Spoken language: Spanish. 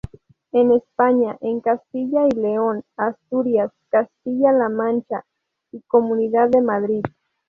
En España, en Castilla y León, Asturias, Castilla la Mancha y Comunidad de Madrid.